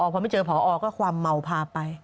พอไม่เจอพอก็ความเมาพาไป